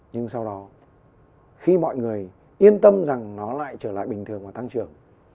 nhưng sau đó khi mọi người yên tâm rằng nó lại trở lại bình thường và tăng trưởng